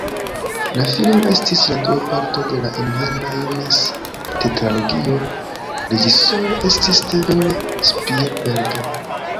La filmo estis la dua parto de la Indiana-Jones-tetralogio, reĝisoro estis Steven Spielberg.